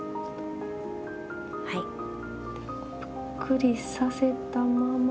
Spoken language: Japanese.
ぷっくりさせたまま。